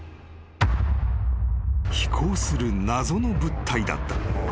［飛行する謎の物体だった］